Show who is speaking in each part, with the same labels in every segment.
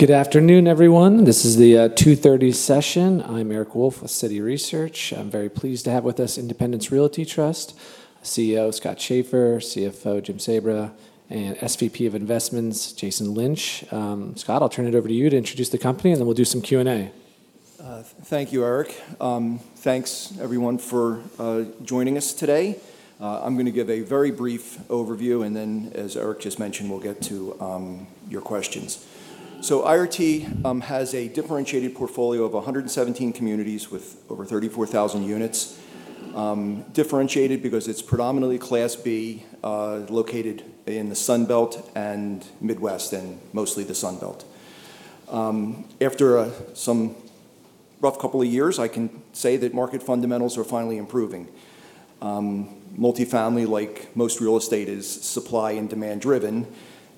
Speaker 1: Good afternoon, everyone. This is the 2:30 P.M. session. I'm Eric Wolfe with Citigroup. I'm very pleased to have with us Independence Realty Trust CEO, Scott Schaeffer, CFO, Jim Sebra, and SVP of Investments, Jason Lynch. Scott, I'll turn it over to you to introduce the company, and then we'll do some Q&A.
Speaker 2: Thank you, Eric. Thanks everyone for joining us today. I'm going to give a very brief overview, and then as Eric just mentioned, we'll get to your questions. IRT has a differentiated portfolio of 117 communities with over 34,000 units. Differentiated because it's predominantly Class B located in the Sun Belt and Midwest, and mostly the Sun Belt. After some rough couple of years, I can say that market fundamentals are finally improving. Multifamily, like most real estate, is supply and demand driven,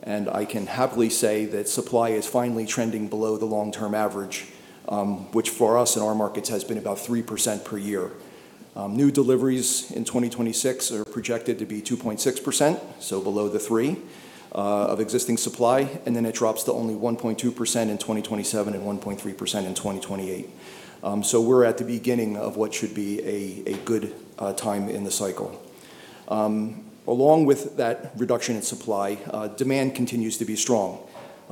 Speaker 2: and I can happily say that supply is finally trending below the long-term average, which for us in our markets has been about 3% per year. New deliveries in 2026 are projected to be 2.6%, so below the 3% of existing supply, and then it drops to only 1.2% in 2027 and 1.3% in 2028. We're at the beginning of what should be a good time in the cycle. Along with that reduction in supply, demand continues to be strong.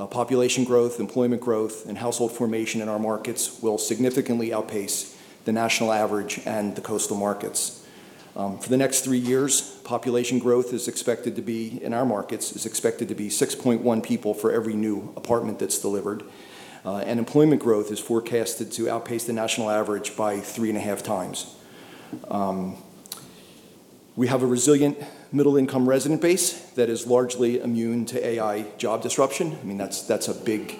Speaker 2: Population growth, employment growth, and household formation in our markets will significantly outpace the national average and the coastal markets. For the next three years, population growth in our markets is expected to be 6.1 people for every new apartment that's delivered. Employment growth is forecasted to outpace the national average by three and a half times. We have a resilient middle-income resident base that is largely immune to AI job disruption. That's a big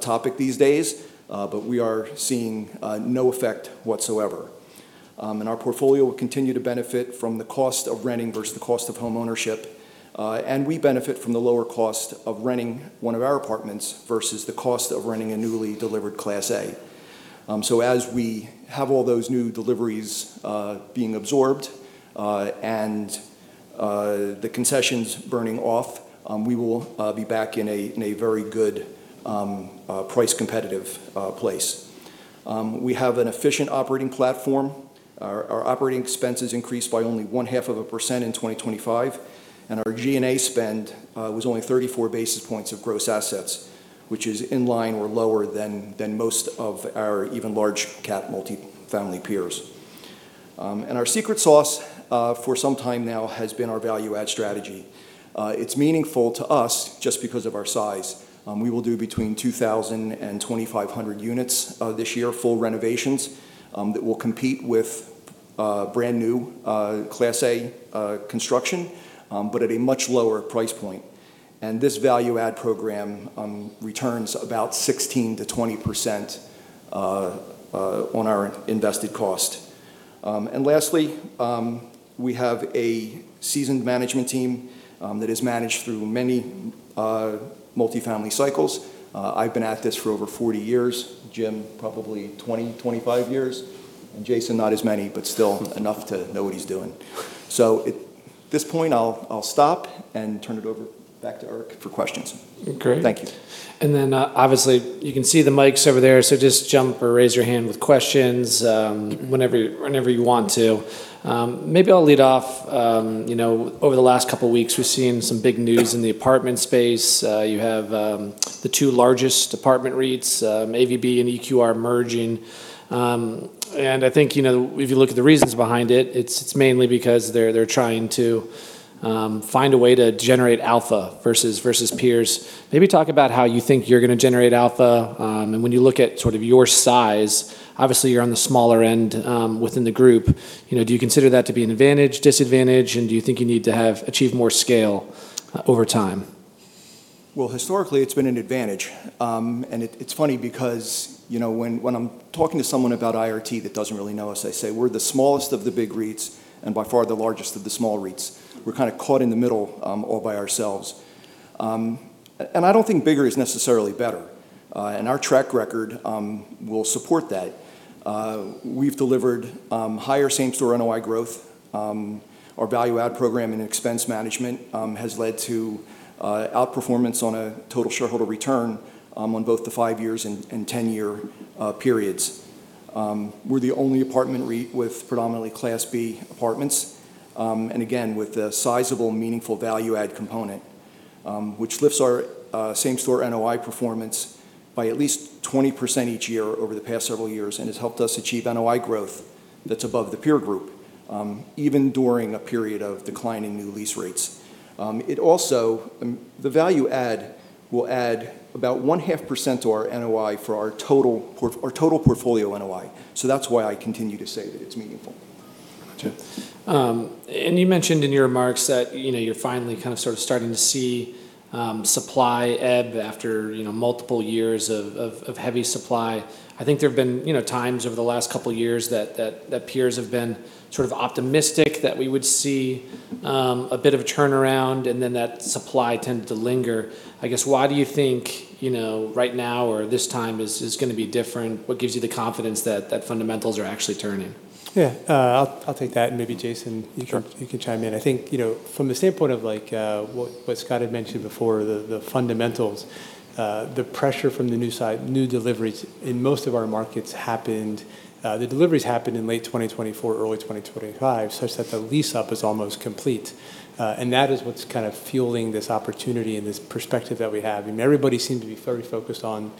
Speaker 2: topic these days, but we are seeing no effect whatsoever. Our portfolio will continue to benefit from the cost of renting versus the cost of home ownership. We benefit from the lower cost of renting one of our apartments versus the cost of renting a newly delivered Class A. As we have all those new deliveries being absorbed, and the concessions burning off, we will be back in a very good price competitive place. We have an efficient operating platform. Our operating expenses increased by only one half of a percent in 2025, and our G&A spend was only 34 basis points of gross assets, which is in line or lower than most of our even large cap multifamily peers. Our secret sauce, for some time now, has been our value-add strategy. It's meaningful to us just because of our size. We will do between 2,000 and 2,500 units this year, full renovations, that will compete with brand new Class A construction but at a much lower price point. This value-add program returns about 16%-20% on our invested cost. Lastly, we have a seasoned management team that has managed through many multifamily cycles. I've been at this for over 40 years, Jim probably 20, 25 years, and Jason, not as many, but still enough to know what he's doing. At this point, I'll stop and turn it over back to Eric for questions.
Speaker 1: Okay.
Speaker 2: Thank you.
Speaker 1: Then, obviously you can see the mics over there, so just jump or raise your hand with questions whenever you want to. Maybe I'll lead off. Over the last couple of weeks, we've seen some big news in the apartment space. You have the two largest apartment REITs, AVB and EQR, merging. I think, if you look at the reasons behind it's mainly because they're trying to find a way to generate alpha versus peers. Maybe talk about how you think you're going to generate alpha. When you look at your size, obviously you're on the smaller end within the group. Do you consider that to be an advantage, disadvantage, and do you think you need to achieve more scale over time?
Speaker 2: Well, historically, it's been an advantage. It's funny because when I'm talking to someone about IRT that doesn't really know us, I say we're the smallest of the big REITs and by far the largest of the small REITs. We're kind of caught in the middle all by ourselves. I don't think bigger is necessarily better. Our track record will support that. We've delivered higher same-store NOI growth. Our value-add program and expense management has led to outperformance on a total shareholder return on both the five years and 10-year periods. We're the only apartment REIT with predominantly Class B apartments. Again, with a sizable, meaningful value-add component, which lifts our same-store NOI performance by at least 20% each year over the past several years and has helped us achieve NOI growth that's above the peer group, even during a period of declining new lease rates. The value-add will add about 0.5% to our NOI for our total portfolio NOI. That's why I continue to say that it's meaningful.
Speaker 1: Okay. You mentioned in your remarks that you're finally kind of starting to see supply ebb after multiple years of heavy supply. I think there have been times over the last couple of years that peers have been sort of optimistic that we would see a bit of a turnaround, and then that supply tended to linger. I guess, why do you think right now or this time is going to be different? What gives you the confidence that fundamentals are actually turning?
Speaker 3: Yeah. I'll take that.
Speaker 4: Sure
Speaker 3: you can chime in. I think from the standpoint of what Scott had mentioned before, the fundamentals, the pressure from the new deliveries in most of our markets happened, the deliveries happened in late 2024, early 2025, such that the lease-up is almost complete. That is what's kind of fueling this opportunity and this perspective that we have. Everybody seemed to be very focused on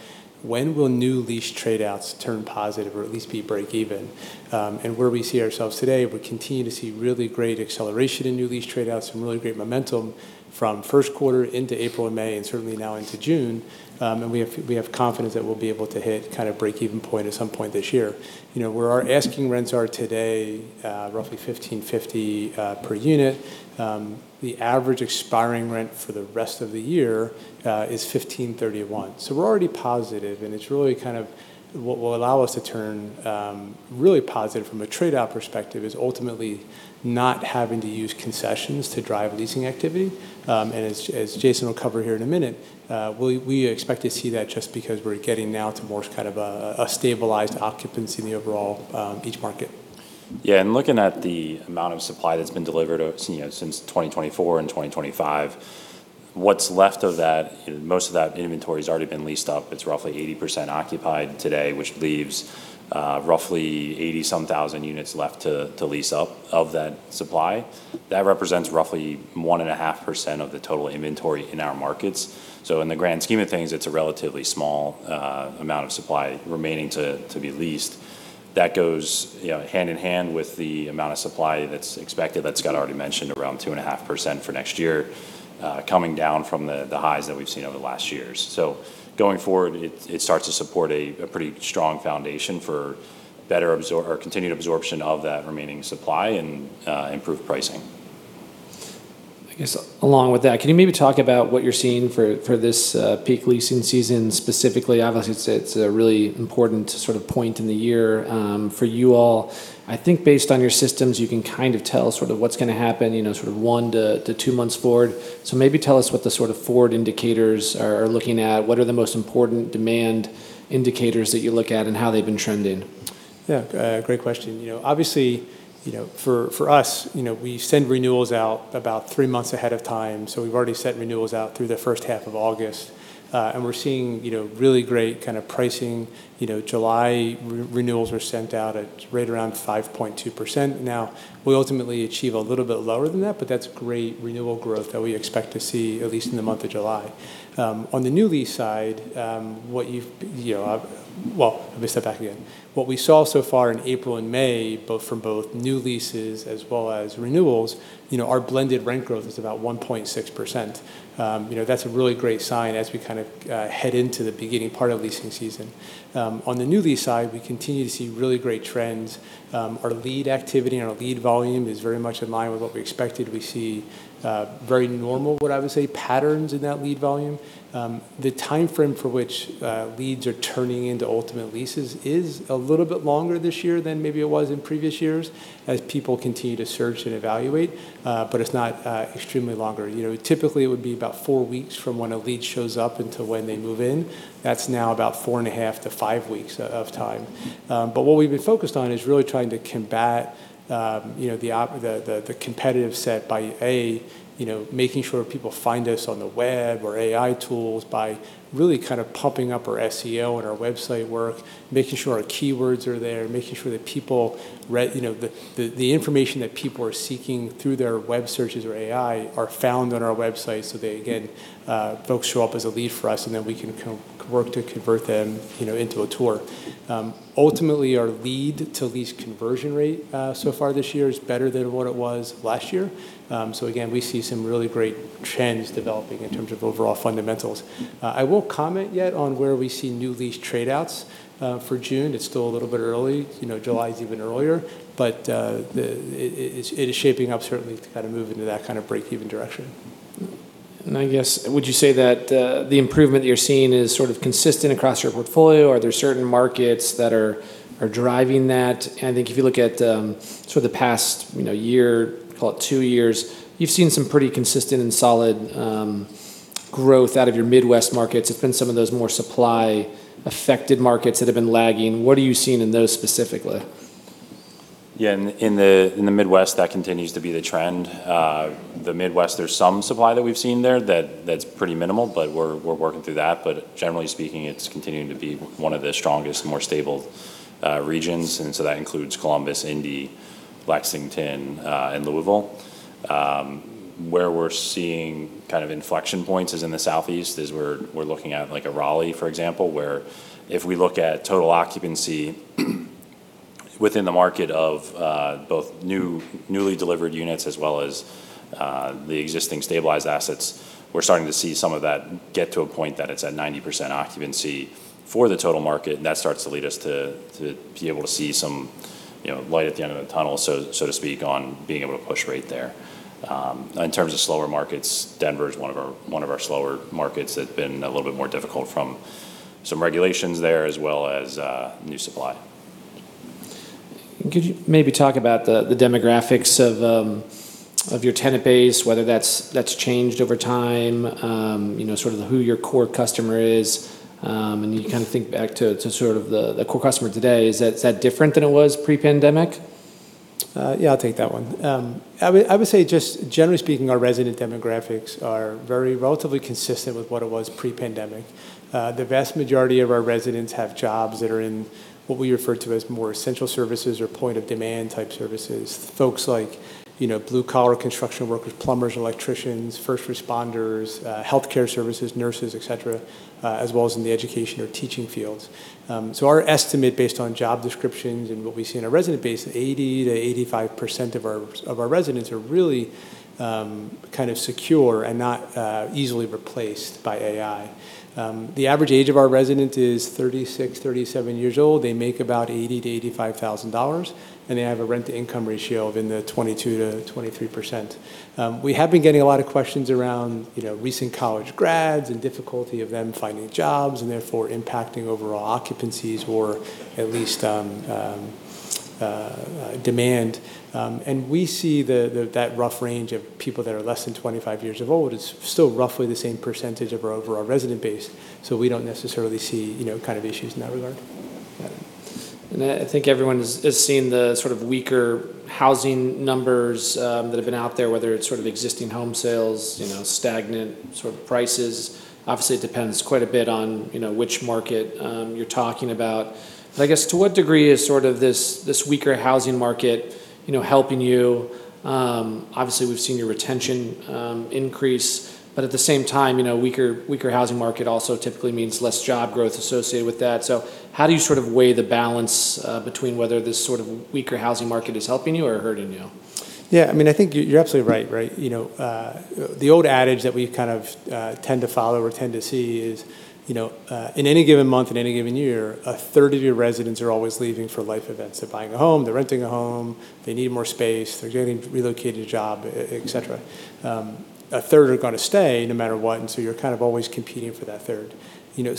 Speaker 3: when will new lease trade-outs turn positive or at least be break-even. Where we see ourselves today, we continue to see really great acceleration in new lease trade-outs, some really great momentum from first quarter into April and May, and certainly now into June. We have confidence that we'll be able to hit kind of break-even point at some point this year. Where our asking rents are today, roughly $1,550 per unit. The average expiring rent for the rest of the year is $1,531. We're already positive, and it's really what will allow us to turn really positive from a trade-out perspective is ultimately not having to use concessions to drive leasing activity. As Jason will cover here in one minute, we expect to see that just because we're getting now to more of a stabilized occupancy in the overall each market.
Speaker 4: Yeah. Looking at the amount of supply that's been delivered since 2024 and 2025, what's left of that, most of that inventory has already been leased up. It's roughly 80% occupied today, which leaves roughly 80-some thousand units left to lease up of that supply. That represents roughly 1.5% of the total inventory in our markets. In the grand scheme of things, it's a relatively small amount of supply remaining to be leased. That goes hand in hand with the amount of supply that's expected, that Scott already mentioned, around 2.5% for next year, coming down from the highs that we've seen over the last years. Going forward, it starts to support a pretty strong foundation for continued absorption of that remaining supply and improved pricing.
Speaker 1: I guess along with that, can you maybe talk about what you're seeing for this peak leasing season specifically? Obviously, it's a really important point in the year for you all. I think based on your systems, you can kind of tell what's going to happen, sort of one to two months forward. Maybe tell us what the sort of forward indicators are looking at. What are the most important demand indicators that you look at and how they've been trending?
Speaker 3: Yeah. Great question. Obviously, for us, we send renewals out about three months ahead of time. We've already sent renewals out through the first half of August. We're seeing really great kind of pricing. July renewals were sent out at right around 5.2%. Now, we'll ultimately achieve a little bit lower than that, but that's great renewal growth that we expect to see at least in the month of July. On the new lease side, let me step back again. What we saw so far in April and May from both new leases as well as renewals, our blended rent growth is about 1.6%. That's a really great sign as we head into the beginning part of leasing season. On the new lease side, we continue to see really great trends. Our lead activity and our lead volume is very much in line with what we expected. We see very normal, what I would say, patterns in that lead volume. The timeframe for which leads are turning into ultimate leases is a little bit longer this year than maybe it was in previous years as people continue to search and evaluate. But it's not extremely longer. Typically, it would be about four weeks from when a lead shows up until when they move in. That's now about four and a half to five weeks of time. What we've been focused on is really trying to combat the competitive set by, A, making sure people find us on the web or AI tools by really kind of pumping up our SEO and our website work, making sure our keywords are there, making sure the information that people are seeking through their web searches or AI are found on our website, so they, again, folks show up as a lead for us, and then we can work to convert them into a tour. Ultimately, our lead-to-lease conversion rate so far this year is better than what it was last year. Again, we see some really great trends developing in terms of overall fundamentals. I won't comment yet on where we see new lease trade-outs for June. It's still a little bit early. July is even earlier. It is shaping up certainly to kind of move into that kind of break-even direction.
Speaker 1: I guess, would you say that the improvement you're seeing is sort of consistent across your portfolio? Are there certain markets that are driving that? I think if you look at sort of the past year, call it two years, you've seen some pretty consistent and solid growth out of your Midwest markets. It's been some of those more supply-affected markets that have been lagging. What are you seeing in those specifically?
Speaker 4: Yeah. In the Midwest, that continues to be the trend. The Midwest, there's some supply that we've seen there that's pretty minimal, but we're working through that. Generally speaking, it's continuing to be one of the strongest, more stable regions, and so that includes Columbus, Indy, Lexington, and Louisville. Where we're seeing kind of inflection points is in the Southeast, is we're looking at like a Raleigh, for example, where if we look at total occupancy within the market of both newly delivered units as well as the existing stabilized assets, we're starting to see some of that get to a point that it's at 90% occupancy for the total market. That starts to lead us to be able to see some light at the end of the tunnel, so to speak, on being able to push rate there. In terms of slower markets, Denver is one of our slower markets that have been a little bit more difficult from some regulations there as well as new supply.
Speaker 1: Could you maybe talk about the demographics of your tenant base, whether that's changed over time, sort of who your core customer is. You kind of think back to the core customer today. Is that different than it was pre-pandemic?
Speaker 3: Yeah, I'll take that one. I would say just generally speaking, our resident demographics are very relatively consistent with what it was pre-pandemic. The vast majority of our residents have jobs that are in what we refer to as more essential services or point-of-demand type services. Folks like blue-collar construction workers, plumbers, electricians, first responders, healthcare services, nurses, etc, as well as in the education or teaching fields. Our estimate, based on job descriptions and what we see in our resident base, 80%-85% of our residents are really kind of secure and not easily replaced by AI. The average age of our resident is 36, 37 years old. They make about $80,000-$85,000, and they have a rent-to-income ratio of in the 22%-23%. We have been getting a lot of questions around recent college grads and difficulty of them finding jobs, therefore impacting overall occupancies or at least demand. We see that rough range of people that are less than 25 years old is still roughly the same percentage of our overall resident base. We don't necessarily see kind of issues in that regard. Yeah.
Speaker 1: I think everyone has seen the sort of weaker housing numbers that have been out there, whether it's sort of existing home sales, stagnant sort of prices. Obviously, it depends quite a bit on which market you're talking about. I guess to what degree is sort of this weaker housing market helping you? Obviously, we've seen your retention increase, but at the same time, weaker housing market also typically means less job growth associated with that. How do you sort of weigh the balance between whether this sort of weaker housing market is helping you or hurting you?
Speaker 3: Yeah, I think you're absolutely right. The old adage that we kind of tend to follow or tend to see is, in any given month, in any given year, a third of your residents are always leaving for life events. They're buying a home, they're renting a home, they need more space, they're getting relocated a job, et cetera. A third are going to stay no matter what, you're kind of always competing for that third.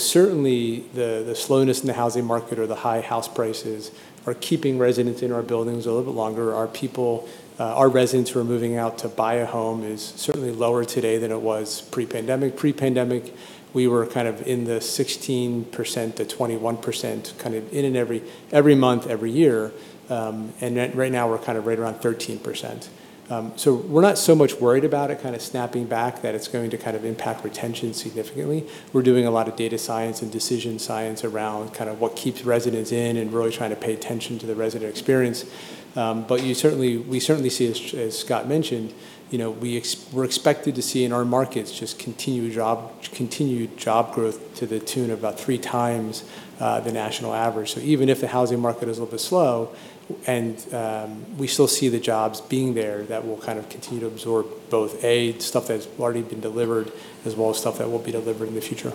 Speaker 3: Certainly, the slowness in the housing market or the high house prices are keeping residents in our buildings a little bit longer. Our residents who are moving out to buy a home is certainly lower today than it was pre-pandemic. Pre-pandemic, we were kind of in the 16%-21% kind of in every month, every year. Right now, we're kind of right around 13%. We're not so much worried about it kind of snapping back, that it's going to kind of impact retention significantly. We're doing a lot of data science and decision science around kind of what keeps residents in and really trying to pay attention to the resident experience. We certainly see, as Scott mentioned, we're expected to see in our markets just continued job growth to the tune of about 3x the national average. Even if the housing market is a little bit slow, and we still see the jobs being there, that will kind of continue to absorb both, Class A, stuff that's already been delivered, as well as stuff that will be delivered in the future.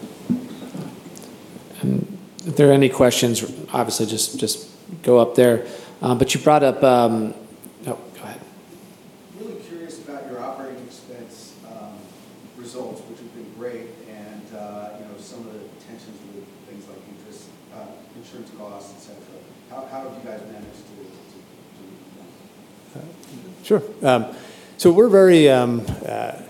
Speaker 1: If there are any questions, obviously, just go up there. Oh, go ahead.
Speaker 5: Really curious about your operating expense results, which have been great, and some of the tensions with things like interest, insurance costs, etc. How have you guys managed to do that?
Speaker 3: Sure. We're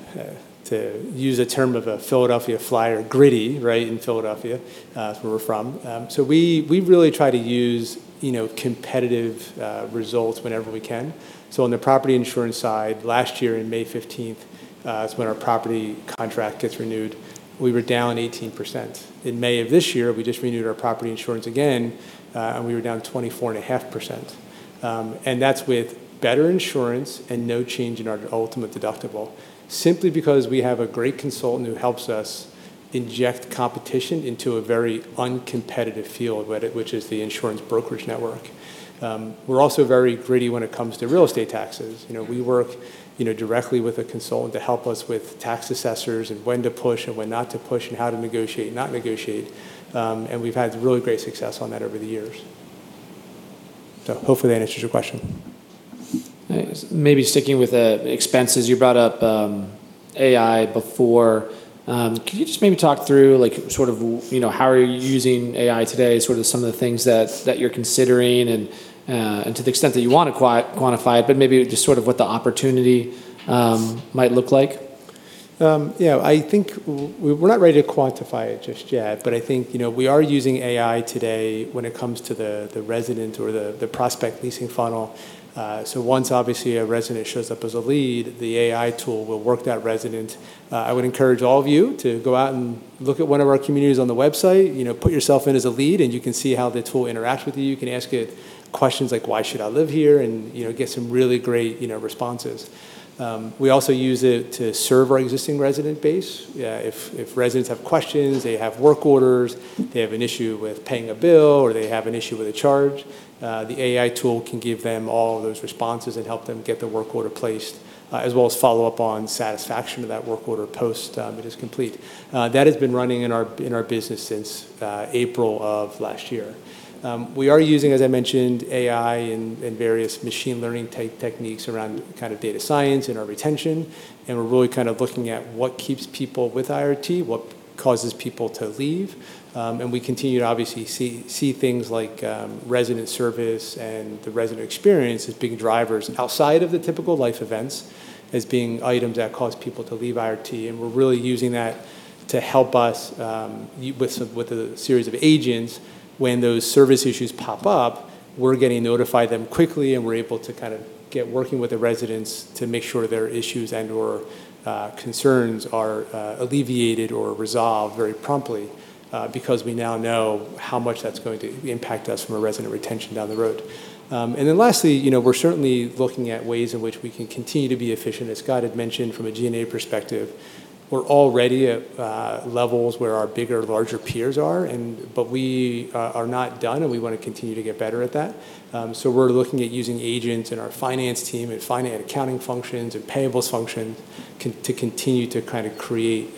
Speaker 3: very, to use a term of a Philadelphia Flyers, gritty, right? In Philadelphia. That's where we're from. We really try to use competitive results whenever we can. On the property insurance side, last year on May 15th, is when our property contract gets renewed. We were down 18%. In May of this year, we just renewed our property insurance again. We were down 24.5%. That's with better insurance and no change in our ultimate deductible, simply because we have a great consultant who helps us inject competition into a very uncompetitive field, which is the insurance brokerage network. We're also very gritty when it comes to real estate taxes. We work directly with a consultant to help us with tax assessors and when to push and when not to push, and how to negotiate and not negotiate. We've had really great success on that over the years. Hopefully, that answers your question.
Speaker 1: Nice. Maybe sticking with the expenses you brought up, AI before, can you just maybe talk through how are you using AI today, sort of some of the things that you're considering, and to the extent that you want to quantify it, but maybe just sort of what the opportunity might look like?
Speaker 3: I think we're not ready to quantify it just yet, but I think we are using AI today when it comes to the resident or the prospect leasing funnel. Once obviously a resident shows up as a lead, the AI tool will work that resident. I would encourage all of you to go out and look at one of our communities on the website. Put yourself in as a lead, and you can see how the tool interacts with you. You can ask it questions like, "Why should I live here?" Get some really great responses. We also use it to serve our existing resident base. If residents have questions, they have work orders, they have an issue with paying a bill, or they have an issue with a charge, the AI tool can give them all of those responses and help them get the work order placed. As well as follow up on satisfaction of that work order post that is complete. That has been running in our business since April of last year. We are using, as I mentioned, AI and various machine learning-type techniques around kind of data science and our retention, and we're really kind of looking at what keeps people with IRT, what causes people to leave. We continue to obviously see things like resident service and the resident experience as being drivers outside of the typical life events, as being items that cause people to leave IRT, and we're really using that to help us with a series of agents, when those service issues pop up, we're getting notified then quickly, and we're able to get working with the residents to make sure their issues and/or concerns are alleviated or resolved very promptly because we now know how much that's going to impact us from a resident retention down the road. Lastly, we're certainly looking at ways in which we can continue to be efficient. As Scott had mentioned, from a G&A perspective, we're already at levels where our bigger, larger peers are, but we are not done, and we want to continue to get better at that. We're looking at using agents in our finance team, in finance accounting functions and payables functions, to continue to create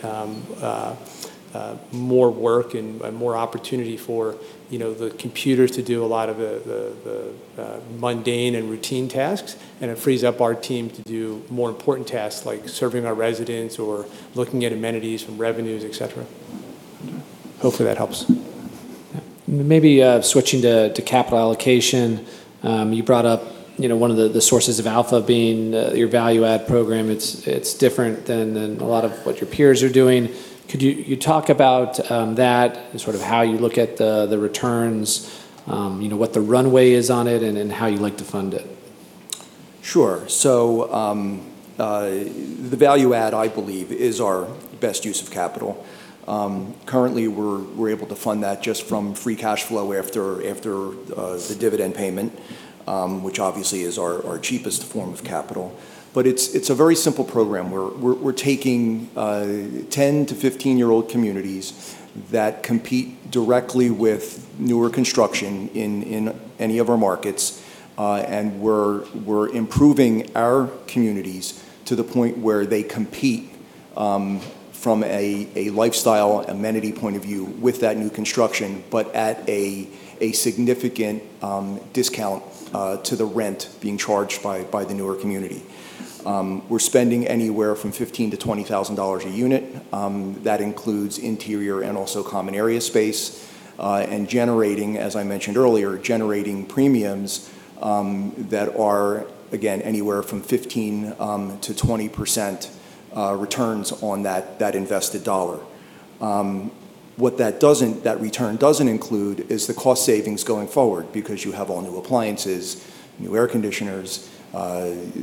Speaker 3: more work and more opportunity for the computers to do a lot of the mundane and routine tasks. It frees up our team to do more important tasks, like serving our residents or looking at amenities from revenues, et cetera. Hopefully that helps.
Speaker 1: Maybe switching to capital allocation. You brought up one of the sources of alpha being your value-add program. It's different than a lot of what your peers are doing. Could you talk about that and how you look at the returns, what the runway is on it, and then how you like to fund it?
Speaker 2: Sure. The value-add, I believe, is our best use of capital. Currently, we're able to fund that just from free cash flow after the dividend payment, which obviously is our cheapest form of capital. It's a very simple program. We're taking 10-year to 15-year-old communities that compete directly with newer construction in any of our markets. We're improving our communities to the point where they compete from a lifestyle, amenity point of view with that new construction, but at a significant discount to the rent being charged by the newer community. We're spending anywhere from $15,000-$20,000 a unit. That includes interior and also common area space. Generating, as I mentioned earlier, premiums that are, again, anywhere from 15%-20% returns on that invested dollar. What that return doesn't include is the cost savings going forward because you have all new appliances, new air conditioners. You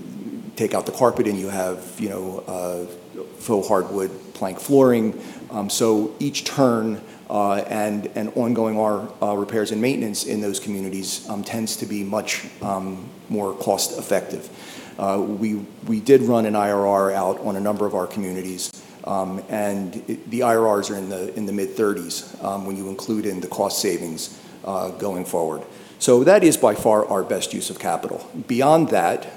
Speaker 2: take out the carpeting, you have faux hardwood plank flooring. Each turn and ongoing repairs and maintenance in those communities tends to be much more cost-effective. We did run an IRR out on a number of our communities, and the IRRs are in the mid-30s when you include in the cost savings going forward. That is, by far, our best use of capital. Beyond that,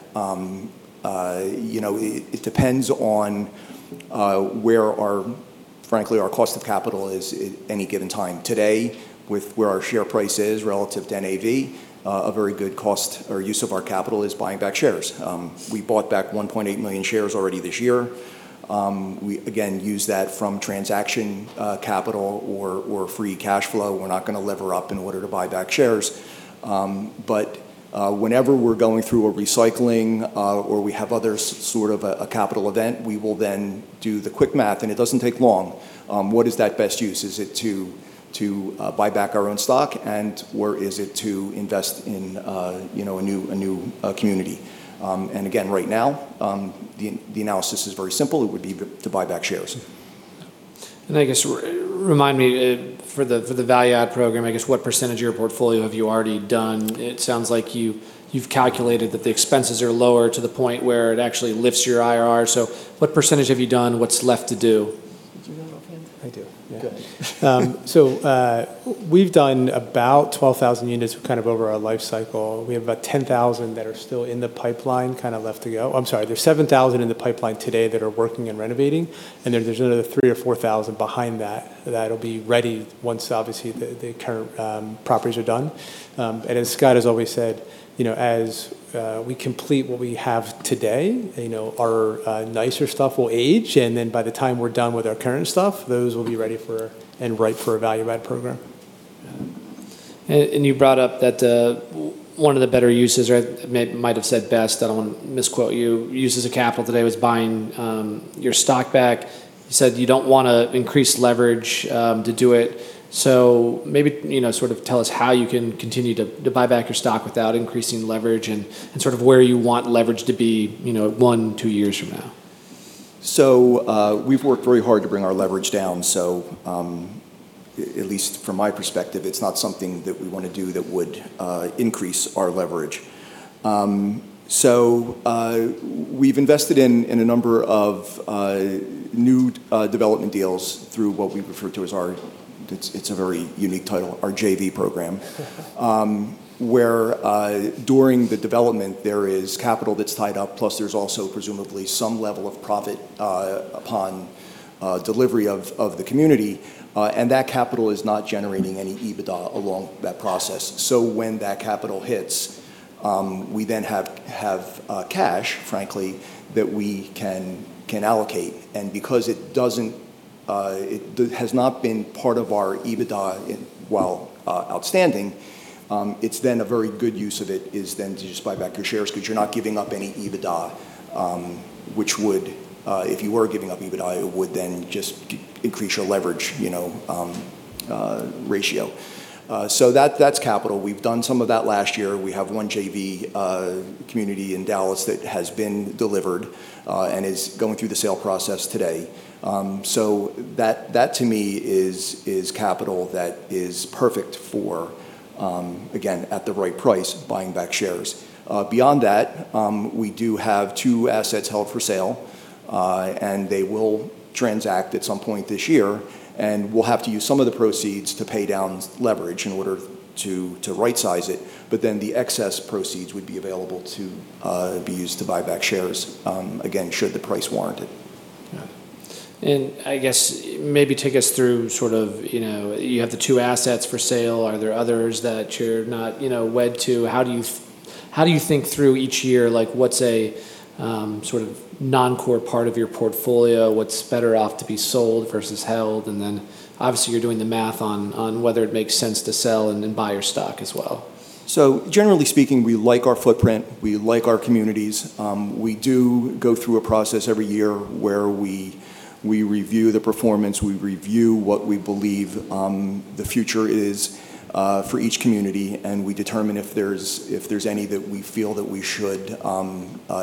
Speaker 2: it depends on where, frankly, our cost of capital is at any given time. Today, with where our share price is relative to NAV, a very good cost or use of our capital is buying back shares. We bought back 1.8 million shares already this year. We, again, use that from transaction capital or free cash flow. We're not going to lever up in order to buy back shares. Whenever we're going through a recycling or we have other sort of a capital event, we will then do the quick math, and it doesn't take long. What is that best use? Is it to buy back our own stock, and/or is it to invest in a new community? Again, right now, the analysis is very simple. It would be to buy back shares.
Speaker 1: I guess, remind me for the value-add program, I guess, what percentage of your portfolio have you already done? It sounds like you've calculated that the expenses are lower to the point where it actually lifts your IRR. What percentage have you done? What's left to do?
Speaker 2: Did you want to answer that?
Speaker 3: I do, yeah. Good. We've done about 12,000 units kind of over our life cycle. We have about 10,000 that are still in the pipeline kind of left to go. I'm sorry, there's 7,000 in the pipeline today that are working and renovating, and there's another 3,000 or 4,000 behind that that'll be ready once, obviously, the current properties are done. As Scott has always said, as we complete what we have today, our nicer stuff will age, and then by the time we're done with our current stuff, those will be ready for and right for a value-add program.
Speaker 1: You brought up that one of the better uses, or you might have said best, I don't want to misquote you, uses of capital today was buying your stock back. You said you don't want to increase leverage to do it. Maybe sort of tell us how you can continue to buy back your stock without increasing leverage and sort of where you want leverage to be one, two years from now?
Speaker 2: We've worked very hard to bring our leverage down, so at least from my perspective, it's not something that we want to do that would increase our leverage. We've invested in a number of new development deals through what we refer to as our, it's a very unique title, our JV program, where during the development, there is capital that's tied up, plus there's also presumably some level of profit upon delivery of the community, and that capital is not generating any EBITDA along that process. When that capital hits, we then have cash, frankly, that we can allocate, and because it has not been part of our EBITDA while outstanding. It's then a very good use of it is then to just buy back your shares because you're not giving up any EBITDA, which would, if you were giving up EBITDA, it would then just increase your leverage ratio. That's capital. We've done some of that last year. We have one JV community in Dallas that has been delivered and is going through the sale process today. That to me is capital that is perfect for, again, at the right price, buying back shares. Beyond that, we do have two assets held for sale, and they will transact at some point this year, and we'll have to use some of the proceeds to pay down leverage in order to right size it, but then the excess proceeds would be available to be used to buy back shares, again, should the price warrant it.
Speaker 1: Yeah. I guess maybe take us through sort of you have the two assets for sale. Are there others that you're not wed to? How do you think through each year? What's a sort of non-core part of your portfolio? What's better off to be sold versus held? Then obviously, you're doing the math on whether it makes sense to sell and then buy your stock as well.
Speaker 2: Generally speaking, we like our footprint. We like our communities. We do go through a process every year where we review the performance, we review what we believe the future is for each community, and we determine if there's any that we feel that we should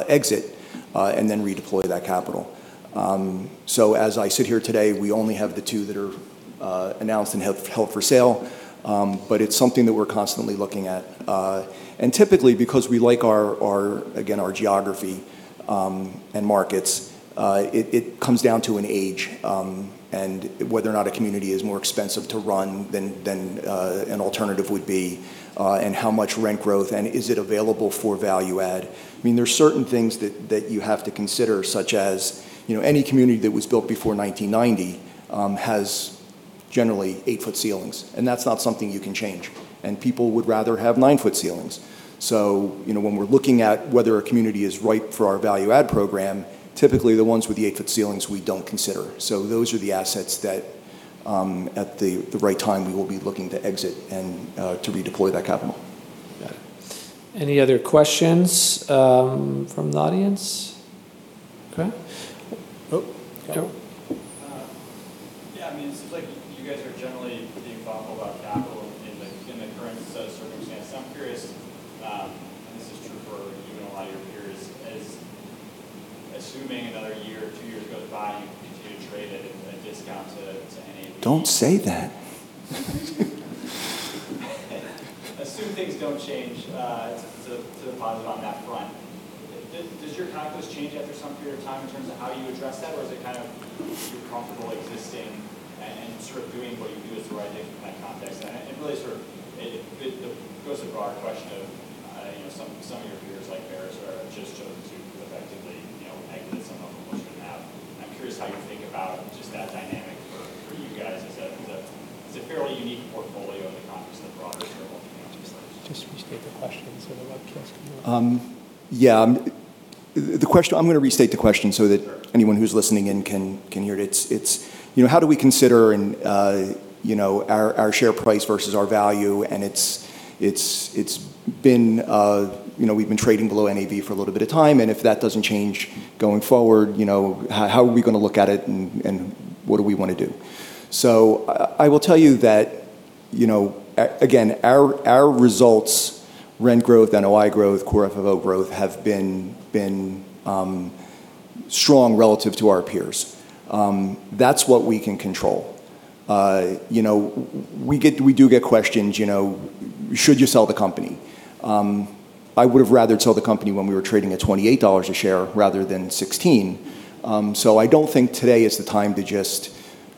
Speaker 2: exit, and then redeploy that capital. As I sit here today, we only have the two that are announced and held for sale, but it's something that we're constantly looking at. Typically, because we like our, again, our geography, and markets, it comes down to an age, and whether or not a community is more expensive to run than an alternative would be, and how much rent growth, and is it available for value add. There's certain things that you have to consider, such as any community that was built before 1990 has generally eight-foot ceilings, and that's not something you can change, and people would rather have nine-foot ceilings. When we're looking at whether a community is right for our value-add program, typically the ones with the eight-foot ceilings we don't consider. Those are the assets that, at the right time, we will be looking to exit and to redeploy that capital.
Speaker 1: Got it. Any other questions from the audience? Okay. Oh, Joe.
Speaker 6: Yeah. It seems like you guys are generally being thoughtful about capital in the current set of circumstances. I'm curious, and this is true for even a lot of your peers, as assuming another year or two years goes by and you continue to trade at a discount to NAV.
Speaker 2: Don't say that.
Speaker 6: Assume things don't change to the positive on that front. Does your calculus change after some period of time in terms of how you address that, or is it kind of you're comfortable existing and sort of doing what you do is the right thing in that context? It really sort of goes to the broader question of some of your peers, like Veris are just chosen to effectively negative some of them which wouldn't have. I'm curious how you think about just that dynamic for you guys. Is that because that's a fairly unique portfolio in the context of the broader sharehold community size?
Speaker 1: Just restate the question so the webcast can hear.
Speaker 2: Yeah. Sure I'm gonna repeat the question so anyone who's listening in can hear it. It's how do we consider our share price versus our value, we've been trading below NAV for a little bit of time, if that doesn't change going forward, how are we going to look at it, and what do we want to do? I will tell you that, again, our results, rent growth, NOI growth, core FFO growth, have been strong relative to our peers. That's what we can control. We do get questions, "Should you sell the company?" I would've rather sold the company when we were trading at $28 a share rather than $16. I don't think today is the time to just,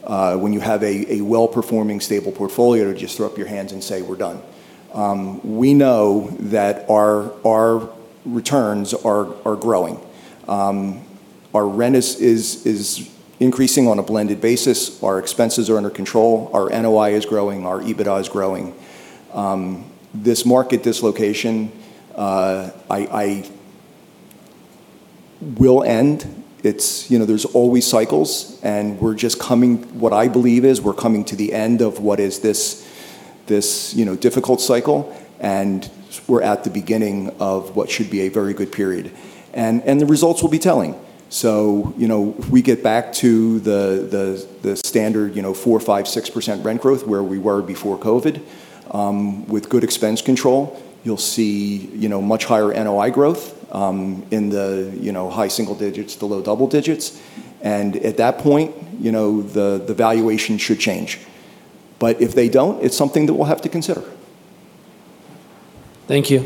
Speaker 2: when you have a well-performing, stable portfolio, to just throw up your hands and say, "We're done." We know that our returns are growing. Our rent is increasing on a blended basis. Our expenses are under control. Our NOI is growing. Our EBITDA is growing. This market dislocation will end. There's always cycles, what I believe is we're coming to the end of what is this difficult cycle, and we're at the beginning of what should be a very good period. The results will be telling. If we get back to the standard 4%, 5%, 6% rent growth where we were before COVID, with good expense control, you'll see much higher NOI growth, in the high single digits to low double digits. At that point, the valuation should change. If they don't, it's something that we'll have to consider.
Speaker 1: Thank you.